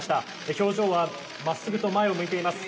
表情は真っすぐと前を向いています。